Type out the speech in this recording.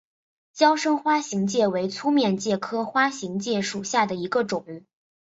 娇生花形介为粗面介科花形介属下的一个种。